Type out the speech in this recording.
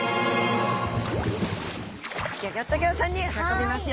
ギョギョッと号さんに運びますよ。